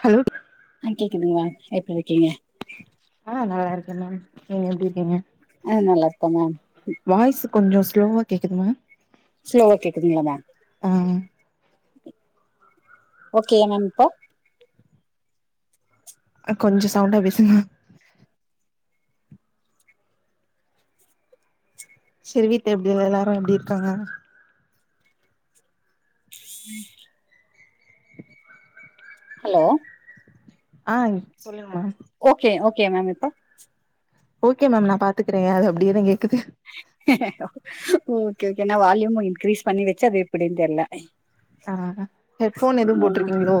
hello ஆ கேக்குதுங்லா எப்டி இருக்கீங்க ஆ நல்லா இருக்க மேம் நீங்க எப்டி இருக்கீங்க ஆ நல்லா இருக்க மேம் வாய்ஸ் கொஞ்சோ ஸ்லோவா கேக்குது மேம் ஸ்லோவா கேக்குதுங்களா மேம் ம் ஓகே மேம் இப்போ கொஞ்சோ சவுண்டா பேசுங்க செரி வீத் எப்டிங்க எல்லாரும் எப்டி இருக்காங்க உம் ஹலோ ஆ சொல்லுங்க ஓகே ஓகே மேம் இப்போ ஓகே மேம் நான் பாத்துக்குற அது அப்படியே தான் கேக்குது ஓகே ஓகே நான் வால்யூமு இன்கிரீஸ் பண்ணி வச்ச அது எப்படினு தெரியில ஆஹ் ஹெட்போன் எதுவு போட்டிருக்கீங்களோ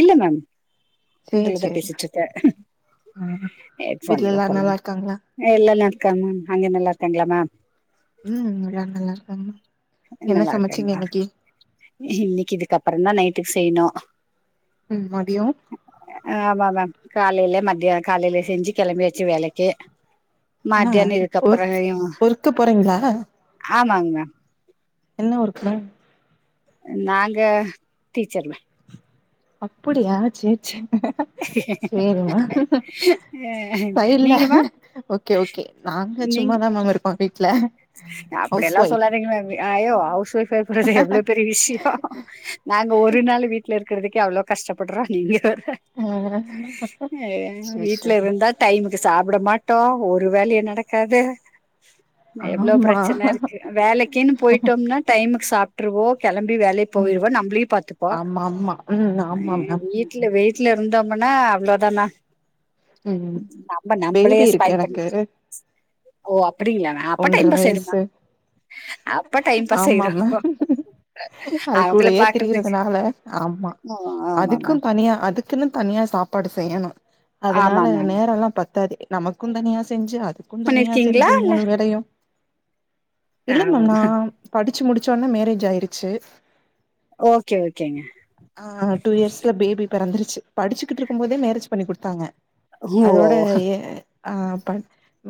இல்ல மேம் சேரி இந்தலதா சேரி பேசிட்ருக்கே ஆ வீட்ல ஹெட்போன்லா எல்லாரு போல்ல நல்லா இருக்காங்களா மே அங்க நல்லா இருக்காங்களா மா ம் எல்லாரு நல்லா இருக்காங்க என்ன சமச்சிங்க இன்னைக்கி இன்னிக்கு இதுக்கப்பற தா நைட்டுக்கு செய்னோ ம் மதியோ ஆமா மேம் காலையில மத்தியா காலையில செஞ்சு கெளம்பியாச்சு வேலைக்கு ஆ மத்தியான இதுக்கப்புற ஒர்க் செய்யு ஒர்க்கு போறீங்களா ஆமாங் மேம் என்ன ஊருக்குல நாங்க டீச்சர் ம அப்பிடியா செர் செர் அ நீங்க மேம் ஓகே ஓகே நாங்க சும்மாதா மேம் இருப்போ வீட்ல ஹவுஸ் அப்டியெல்லா ஒய்ஃப் சொல்லாதீங்கா யோ ஹவுஸ் ஒய்ஃப்பா இருக்குறது எவ்ளோ பெரிய விஷ்யோ நாங்க ஒரு நாள் வீட்ல இருக்கற்துக்கே அவ்ளோ கஷ்டப்பட்றோ நீங்க வேற ஆ சேரி வீட்ல சேரி இருந்தா டைமு கு சாப்ட மாட்டோ ஒரு வேலயு நடக்காது எவ்ளோ ஆமா பிரச்சன இருக்கு வேலைக்கின் போய்ட்டோம்னா டைமுக் சாப்ட்ருவோ கெளம்பி வேலை ம் போய்ருவ நம்பளயு பாத்துப்பா ஆமா ஆமா ம் ஆமா மேம் இல்ல வீட்ல இருந்தோம்முன்னா அவ்ளோ தாமா ம் நம்ப நம்பளே பேபி ஸ்பை இருக்கு பண்ணி எனக்கு அப்ப ஒன்ற டைம் பாஸ் ஆயிரு வய்சு மேம் அப்ப டைம் பாஸ் ஆமா ஆயிரு மேம் அது அவங்கள கூடயே பாக்குறதுக்கு திரியிறதுனால ஆமா ஆமா அதுக்கும் மேம் தனியா அதுக் குன்னு தனியா சாப்பாடு செய்யணோ ஆமா அதனால மேம் நேரோல்லா பத்தாது நமக்கும் தனியா செஞ்சி அதுக்கும் தனியா பண்ணிருக்கீங்களா செஞ்சி இல்ல மூணு பேர் இல்ல மேம் நா படிச்சி முடிச்சொன்னே மேரேஜ் ஆயிருச்சி ஓகே ஓகேங்க ஆ டூ இயர்ஸ்ல பேபி பொறந்துருச்சி படிச்சிட்ருக்கும் போதே மேரேஜ் பண்ணி குடுத்தாங்க ஓ அதோட அ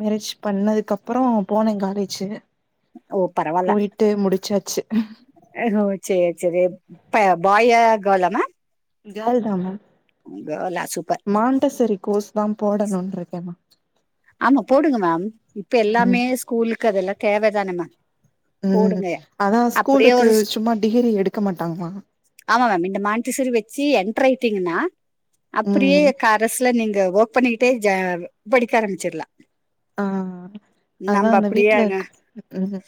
மேரேஜ் பண்ணதுக்கப் அப்புறோ போனே காலேஜு ஓ பரவால்ல போயிட்டு முடிச்சாச்சி ஓ சேர் சேர் ப்ப பாயா கேர்லா மா கேர்ள் தா மேம் கேர்ளா சூப்பர் மாண்டசரி கோர்ஸ் தா போடணுன்ருக்க மேம் ஆமா போடுங்க மேம் இப்ப ம் எல்லாமே ஸ்கூலுக்கு அதெல்லா தேவ தான ம ம் அதா ஸ்கூலுக்கு ஒரு ஸ் சும்மா டிகிரி எடுக்க மாட்டாங்கலா ஆமா மேம் இந்த மாண்ட்டிசூரி வெச்சு என்ட்டர் ஆயிட்டீங்கன்னா அப்டியே ம் பஸ்ல நீங்க ஒர்க் பண்ணிக்கிட்டே ஜ படிக்க ஆரம்பிச்சிட்லா ஆ அதா அந்த வீட்ல ம்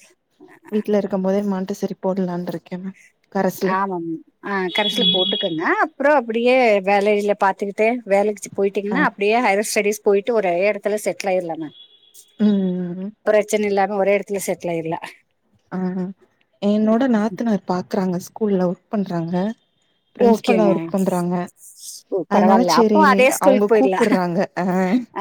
வீட்ல இருக்கும் போதே மாண்ட்ட சரி போட்லான் இருக்க மேம் கரஸ்ல ஆமா ம அ கரஸ்ல ம் போட்டுக்கங்க அப் ப்றோ அப்டியே ஜாலியா இதுங்ள பாத்துக்கிட்டு வேலைக்கு ஆ போயிட்டீங்ன்னா அப்டியே ஹையர் ஸ்டடிஸ் போய்ட்டு ஒரே ஹைய எடத்துல செட்ல் ஆயிர்லாமே ம் பிரச்சன இல்லாம ஒரே எடத்துல செட்ல் ஆயிர்லா ம் ம் என்னோட நாத்தனார் பாக்குறாங்க ஸ்கூல்ல ஒர்க் பண்றாங்க ஓகே பிரின்ஸ்பலா மேம் ஒர்க் பண்றாங்க ஓ அதனால பரவால்ல அப்போ செரி அதே அவுங்க ஸ்கூலுக்கு போயிரலா கூப்புறாங்க அ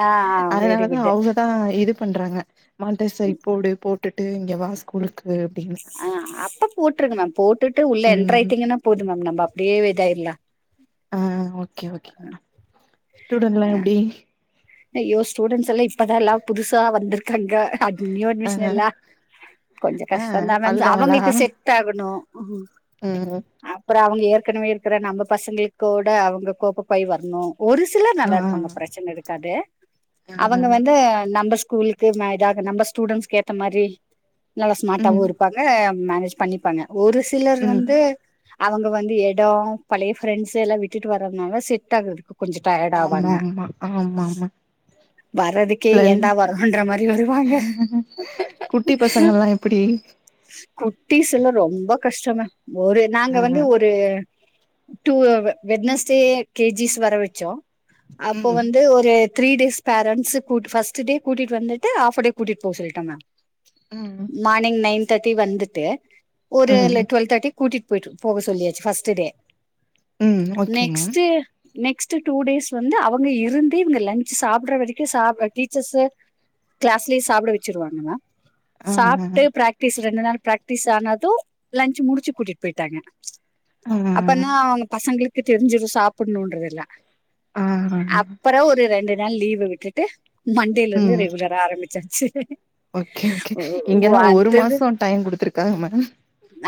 ஆ ஆ வெரி அதனாலதா குட் அவுங்க ஆ இது பண்றாங்க மாண்ட்ட சை போடு போட்டுட்டு இங்க வா ஸ்கூலுக்கு அப்டின்னு அ அப்ப போட்ருக்கனு போட்டுட்டு உள்ள என்ட்ர் ம் ஆய்ட்டிங்கன்னா போதும் மேம் நம்ம அப்டியே இதாய்ரலா ஸ்டூடண்ட்லா எப்டி ஐயோ ஸ்டூெண்ட்ஸ்லா இப்பதா எல்லா புதுசா வந்துர்க்காங்க நியூ ஆ அட்மிஷன்லா கொஞ்சோ ஆ கஷ்டதா மேம் அழுதாகளா அவங்களுக்கு செட் ஆகணு ம் அப்புறோ அவங்க ஏற்கனவே இருக்கிற நம்ம பசங்க கூட அவங்க கோப்ப் ஆய் வர்ணும் ஒரு சிலர் ஆ நல்லா இருப்பாங்க பிரச்சன இருக்காது ஆ அவங்க வந்து நம்ப ஸ்கூல் [unintelligible] நம்ம ஸ்டூட்ன்ஸ் ஏத்த மாரி நல்லா ஸ்மார்டாவோ ம் இருப்பாங்க அ மேனேஜ் பண்ணிப்பாங்க ஒரு சிலர் ம் வந்து அவங்க வந்து எடோ பழைய ஃப்ரெண்ட்ஸ் எல்லா விட்டுட்டு வரறதுனால செட் ஆகுறதுக்கு கொஞ்ச டயர்ட் ஆவாங்க ஆமாமாமா வர்றதுக்கே ஏன்டா வருறோன்ற மாரி வருவாங்க குட்டி பசங்கள்லா எப்டி குட்டிஸ்ல்லா ரொம்ப கஷ்டங்க ஒரு நாங்க ஆ வந்து ஒரு டு வெட்னஸ்டே கேஜிஸ் வர வச்சோ அப்போ ம் வந்து ஒரு three days parents first day கூட்டிட்டு வந்துட்டு ஆப் கூட்டிட்டு போக சொல்ட்டாங்க ம் ம் நீங் நைன் தேர்டி வந்துட்டு ஒரு ம் டுவல் தேர்டி கூட்டிட்டு போய்ட்டு போக சொல்லியாச்சு பஸ்ட் டே ம் okay ma'am next next two days வந்து அவங்க இருந் இவங்க லன்ச் சாப்ற வரைக்கு சாப் டீச்சர்ஸு கிளாஸ்லயே சாப்ட வச்சுருவாங்க மேம் ஆ சாப்ட்டு ப்ராக்டிஸ் ரெண்டு நாள் ப்ராக்டிஸ் ஆனது லன்ச் முடிச்சு கூட்டிட்டு போய்ட்டாங்க ஆ அப்பனா அவங்க பசங்களுக்கு தெரிஞ்சிரு சாப்பணும்ன்றதல்லா ஆ அப்புற ஒரு ரெண்டு நாள் லீவு விட்டுட்டு மண்டேலருந்து ம் ரெகுலர ஆரம்பிச்சாச்சு ஓகே ஓகே ஓ ஓ இங்கல்லா ஒரு மாசோ டைம் குடுத்துருக்காங்க மேடம்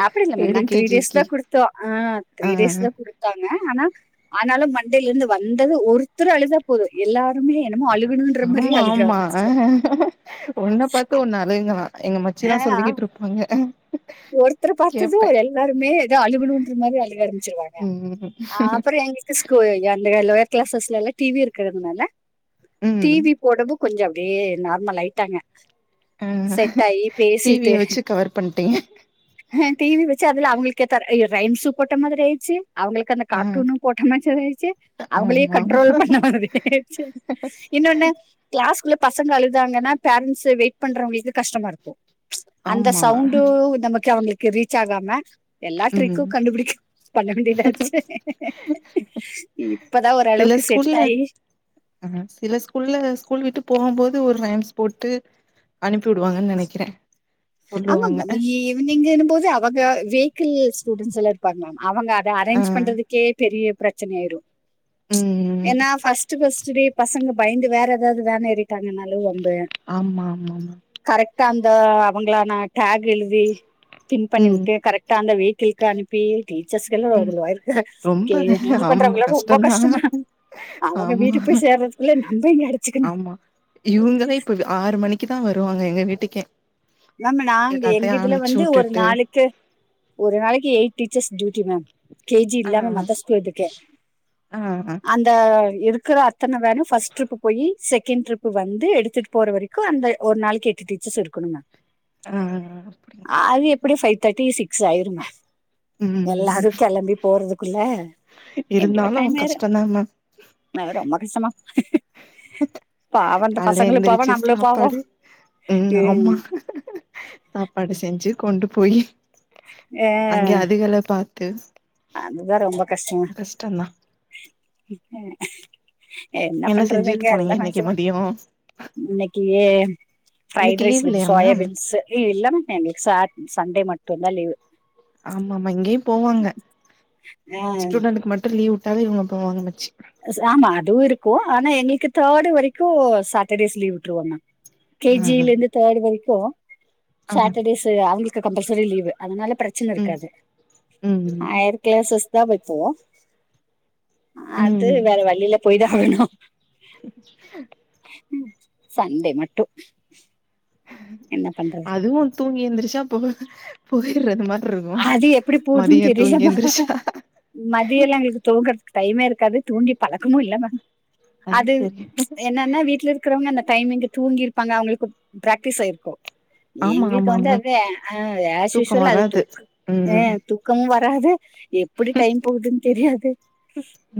அப்டி இல்ல மேம் நாங்க த்ரீ டேஸ் தா குடுத்தோ ஆ த்ரீ ஆ டேஸ் தா குடு தாங்க ஆனா ஆனாலும் மண்டேலருந்து வந்தது ஒருத்தர் அழுதா போதும் எல்லாருமே என்னமோ அழுகணுன்ற மாரியே ஆமா அழுக ஆமா ஆரம்பிச்சிரு ஒண்ண பாத்து ஒண்ணு ஆழுகுங்களா எங்க மச்சி ஆ தா சொல்லிக்கிட்டு இருப்பாக ஒருத்தர பாத்து எல்லாருமே ஏதோ அழுவனுன்ற மாரி அழுக ஆரம் ச்சிருவாங்க ம் அ அப்றம் எங்கள்க்கு ஸ்கூ அந்த லோயர் கிளாஸஸ்லலா டி வி இருக்கறத்னால டி ம் வி ஒடம்பு கொஞ்ச அப்டியே நார்மல் ஆயிட்டாங்க ஆ செட் ஆய் டி பேசிட்டு விய வச்சு கவர் பண்டிங்க டிவி வச்ச அதுல அவங்களுக்கு கேத்த ரைம்சு போட்ட மாரி ஆய்சி அவங்களு கந்த ஆ கார்ட்டூனும் போட்டமாச்சி ஆயிச்சு அவங்களே ஆமா கண்ட்ரோல் ஆமா பண்ண மாரி ஆயிச்சி இன்னொன்னு கிளாஸுகுள்ள பசங்க அலுதாங்கன்னா பேரன்ட்ஸ் வெயிட் பண்றவங்க இது கஷ்டமா இருக்கு அந்த ஆமா சவுண்ட் உ நமக்கு அவங்களுக்கு ரீச் ஆகாம எல்லா ம் ட்ரிக்கும் கண்டுபிடிக் பண்ண வேண்டியதா ஆயிடுச் இப்பதா ஓரளவுக்கு செட் ஆயி ஆ சில ஸ்கூல்ல ஸ்கூல் விட்டு போகும் போது ஒரு ரைம்ஸ் போட்டு அனுப்பி விடுவாங்கன்னு நனக்கறேன் ஆமாங்க மேம் ஈவனிங்குன்னு போது அவங்க வெயிகள்ஸ் ஸ்டூடண்ட்ஸ் எல்லா பாவங்க மேம் அவங்க அத ஆ அரேஞ்ச் பண்றதுக்கே பெரிய பிரச்சனயாயிடும் ம் ஏனா ஃஸ்ட்ட் பஸ்ட்ட் டே பசங்க பயந்து வேற ஏதாது வேன் ஏறிட்டாலும் வம்பு ஆமா ஆமா ஆமா கரெக்ட்டா அந்த அவங்களா நா டாக் எலுதி பின் ம் பண்ணிவுட்டு கரெக் டா அந்த வீட்டில்க்கு அனுப்பி டீச்சர்ஸ் எல்லா ம் கொஞ்சோ ஒர்க் ரொம்ப ஹேண்டில் ஆமா பண்றவங்க எலாரு ரொம்ப கஷ்டந்தா கஷ்டம அவங்க ஆமா வீட்டுக்கு போய் சேர்றதுக்குள்ள நம்ப இங்க அடிச்சிக்கணு இவுங்கள தா இப்போ ஆறு மணி க்கி தா வருவாங்க எங்க வீட்டுகே மேம் நாங்க எங்க எல்லாத்தயு இதுல வந்து ஒரு அம்ச்சுவுட்டுட்டு நாளைக்கு ஒரு நாளைக்கு eight teachers duty ma'am KG ஆ இல்லாம மத்த ஸ்கூல் எதுக்க ஆ அந்த அந்த இருக்கிற அத்தன வேணும் பஸ்ட் ட்ரிப் போயி செகண்ட் ட்ரிப் வந்து எடுத்து போற வரைக்கு அந்த ஒரு நாளைக்கு எட்டு டீச்சர்ஸ் இருக்கணுங்க ஆ அப்டிங்க அது எப்டி ஃபைவ் தேர்ட்டி சிக்ஸ் ஆயிருக ம் எல்லாரு கிளம்பி போறதுக்குள்ள எப்டியோ இருந்தாலு டைம் ஆயிறு கஷ்டந்தா மேம் அ ரொம்ப கஷ்டமா பாவ அந்த கால்ல பசங்களுக்கு பாவம் எந்திரிச்சு நம்பளும் பாவோம் சாப்பாடு ம் ஆமா சாப்பாடு செஞ்சு கொண்டு போயி அங்கே அதிகல பாத்து அதுதா ரொம்ப கஷ்ட கஷ்டந்தா என்ன செஞ்சுட்டு பண்றதுங்க போனீங்க எல்லா இன்னைக்கு நினச்சு தா மதியோ இன்னைக்கு இன்னைக்கு ப்ரைடு ரைஸ் லீவ் து இல்லையா மேம் சோயாபீன்ஸ் இ இல்ல ம எங்களுக்கு ச சண்டே மட்டு தா லீவு ஆமா ஆமா இங்கேயு போவாங்க ஸ்டூடெண்ட்க்கு மட்டு லீவ் விட்டாவ இவங்க போவாங்க மச்சி ஆமா அதுவு இருக்கு ஆனா எங்களுக்கு தேர்டு வரைக்கு சாட்டர்டேஸ் லீவ் விட்டுருவாங்க கே ஆ ஜில இருந்து தேர்ட் வரைக்கு ஆ சாட்டர்டேஸ் அவங்களுக்கு கம்பல்சரி லீவு் அதனால பிரச் சில் ம் இருக்காது ம் ஆய்யிறு கிளாசஸ் தா வெப்போ அது ம் வேற வலி இல்ல போய்தா ஆவணு [inaudible] ம் சண்டே மட்டு என்ன பண்றது அதுவு தூங்கி எந்திரிச்சா போ போயிடுறது மாரி இருக்கு அது எப்டி போகுதுன்னு மதியோ தூங்கி தெரியமா எந்திரிச்சா மதிய எல்லா எங்களுக்கு தூங்குறதுக்கு டைமே இருக்காது தூங்கியு பழக்கமு இல்லமா அது என்ன என்னா வீட்ல இருக்கிறவங்க அந்த டைமிங்க் தூங்கிருப்பாங்க அவங்களுக்கு பிராக்டிஸ் ஆயிருக்கு ஆமா எங்களுக்கு வந்து ஆமாங்க அது அஹ தூக்கோ ஆஸிஸ்வல் அது வராது தூக்குஹ ம் தூக்கு துக்கமு வராது எப்டி டைம் போகுதுன்னு தெரியாது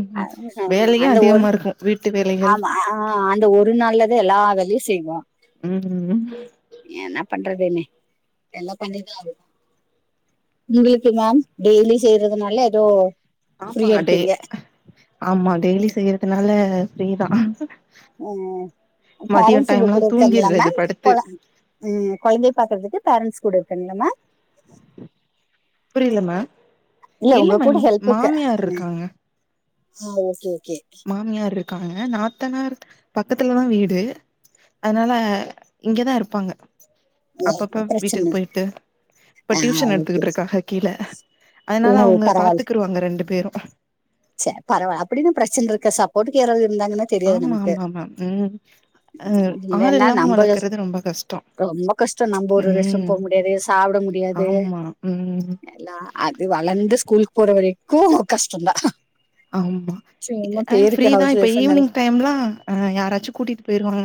ம் ஹ வேலையு அந்த அதிகமா ஒர்க் இருக்கு வீட்டு வேலைகள் ஆமா ஆஹ அந்த ஒரு நாள்ளதா எல்லா வேலையு செய்வோ [unintelligible] என்ன பண்றது மே எல்லா பண்ணிதா ஆகனு உங்களுக்கு மேம் டெய்லி செய்யறதுனால ஏதோ ஃப்ரீயா ஆமாங்க டெய் இருப்பீங்க ஆமா டெய்லி செய்யறதுனால ஃப்ரீதா ம் மதியோ பேரண்ட்ஸ் இப்ப டைம்லா கூட இருக்காங்களா தூங்கிர்றது படுத்து ம் கொழந்தை பாக்குறதுக்கு பேரண்ட்ஸ் கூட இருக்கங்கலா மேம் புரியல மேம் இல்ல உங்க கூட மேம் ஹெல்புகு மாமியார் இருக்காங்க அ ஓகே ஓகே மாமியார் இருக்காங்க நாத்தனார் பக்கத்துலதா வீடு அதனால இங்கதா இருப்பாங்க அப்பப்ப வீட்டுக்கு பிரச்சனை போயிட்டு இப்ப டியூஷன் ஓகே எடுத்துக்கிட்டு இருக்காங்க கீழ ஓ அதனால அவங்க பாத்துக்குருவாங்க ரெண்டு பேரு செரி பரவால அப்டின்னு பிரச்சன இருக்காது சப்போர்ட்கு யாரது இருந்தாங்கன்னு தெரியாது ஆமா நமக்கு ஆமா மேம் ம் அ ஆள் இல்லன்னா இல்லாம நம்ம வளக்கறது ரொம்ப கஷ்டோ ரொம்ப கஷ்டோ நம்ம ஒரு ரெஸ்ட்ரூம் ம் போக முடியாது சாப்பிட முடியாது ஆமா ம் எல்லா அது வளந்து ஸ்கூலுக்கு போற வரைக்கு கஷ்டோதா ஆமா அ ஃப்ரீதா ஹவுஸ் இப்ப ஒய்ஃப் ஈவினிங் டைம்லா ஆ யாராச்சு கூட்டிகிட்டு போயிருவாங்க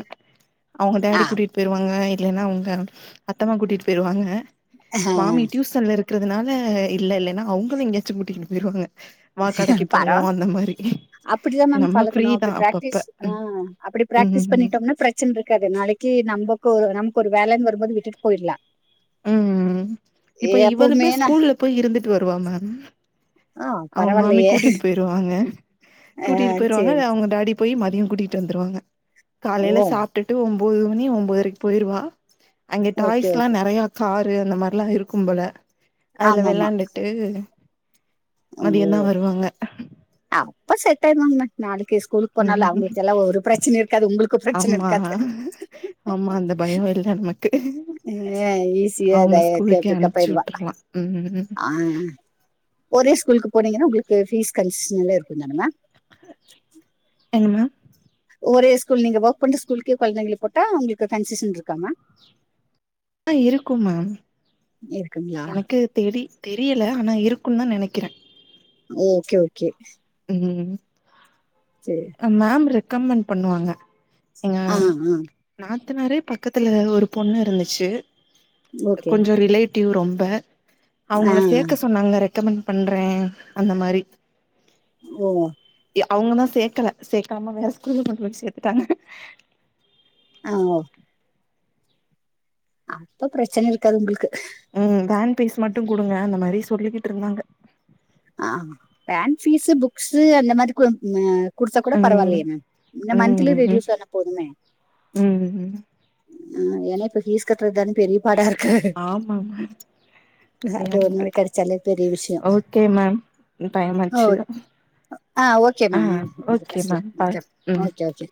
அவங்க டேடி ஆ கூட்டிட்டு போயிருவாங்க இல்லைன்னா உங்க அத்தமா கூட்டிட்டு போயிருவாங்க மாமி டியுஸ் இருக்கிறதுனால இல்ல இல்லன்னா அவங்களு எங்கயாச்சு கூட்டிட்டு போயிவாங்க வா கடைக்கு போவோ அந்த மாரி அப்டிதா மேம் நம்ம பழக்கணு ஃப்ரீதா அப்டி அப்பப்ப பிராக்டிஸ் ஆ அப்டி பிராக்டிஸ் ம் பண்ணிடோம்னா பிரச்சன இருக்காது நாளக்கு நமக்கு ஒரு நமக்கு ஒரு வேலன்னு வரு போது விட்டிட்டு போயிடலா ம் இப்ப எப்பவுமே இவளுமே நான் ஸ்கூல்ல போயி இருந்துட்டு வருவா மேம் ஆ அவுங்க மாமி பரவாயில்லையே கூட்டிட்டு போயிருவாங்க ஆ, கூட்டிட்டு சரி போய்ருவாங்க இல்ல அவுங்க டாடி போய் மதியோ கூட்டிட்டு வந்துருவாங்க காலயையில ஓ சாப்பிட்டுட்டு ஒன்போது மணி ஒம்போத்தறைக்கு போயிடுவா அங்க ஓகே டாய்ஸ் எல்லா ஓகே நெறைய காரு அந்த மாரில்லா இருக்கு போல அதுல ஆமாமா வெளாண்டுட்டு ஓ மதியந்தா வருவாங்க அப்ப செட்யவங்க அ நாளக்கு ஸ்கூலுக்கு போனால ம் அவங்களுக்கு எல்லா ஒரு பிரச்சன இருக்காது உங்களுக்கு பிரச்சன ஆமா இருக்காது ஆமா அந்த பயோ இல்ல நமக்கு அ ஈசியா அவங்க கே ஸ்கூலுக்கே பிக்கப் [unintelligible] அனுப்ச்சு போயிருவா விட்ரலா ம் ஒரே ஸ்கூலுக்கு போனிங்கன்னா உங்களுக்கு ஃபீஸ் கஷன்ல்லா இருக்குதான மேம் என்ன மா ஒரே ஸ்கூல் நீங்க ஒர்க் பண்ற ஸ்கூலுக்கே கொழந்தைங்கள போட்டா உங்களுக்கு கன்சிஷன் இருக்கா மேம் ஆ இருக்கு மேம் இருக்குங்களா எனக்கு தெரி தெரியல ஆனா இருக்குனு தா நெனைக்கிறே ஓகே ஓகே ம் செரி மேம் ரெக்கமண்ட் பண்ணுவாங்க எங்க ஆ ஆ நாத்தனாரே பக்கத்தில ஒரு பொண்ணு இருந்துச்சு ஓகே கொஞ்சோ ரிலேட் டிவ் ரொம்ப ஆ அவுங்கள சேக்க சொன்னாங்க ரெக்கமண்ட் பண்றே அந்த மாரி ம் எ அவுங்க தா சேக்கல சேக்காம வேற ஸ்கூல கொண்டு போயி சேத்துட்டாங்க ஆ அப்ப பிரச்சன இருக்காது ஒங்களுக்கு ம் வேன் ஃபீஸ் மட்டு குடுங்க அந்த மாரி சொல்லிகிட்டு இருந்தாங்க ஆ வேன் பீஸு புக்ஸு அந்த மாரி கொஞ் அ குடுத்தா கூட ம் பரவாயில்யே மேம் இந்த மந்தலி ம் ரெடியூஸ் ஆனா போதுமே ம் ம் ஆ ஏனா இப்ப ஃபீஸ் கட்றதானே பெரிய படா இருக்கு ஆமா மேம் அது அநியாயமா ஒண்ணு இருக்கு கெடச்சாலே பெரிய விஷயோ ஓகே மேம் டைம் ஆச்சு ஆ ஓகே ஆ மேம் அப்ப ஓகே பேசலாம் மேம் ஓகே பாருங் ம் ஓகே ஓகே